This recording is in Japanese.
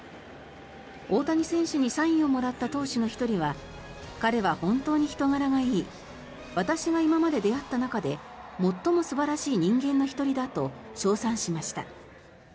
大谷選手にサインをもらった投手の１人は彼は本当に人柄がいい私が今まで出会った中で最も素晴らしい人間の１人だと称賛しました。